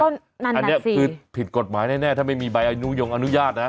อันนี้คือผิดกฎหมายแน่ถ้าไม่มีใบอนุยงอนุญาตนะ